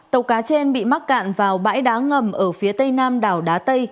tàu cá trên bị mắc cạn vào bãi đá ngầm ở phía tây nam đảo đá tây